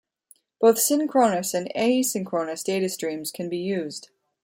Both synchronous and asynchronous datastreams can be used.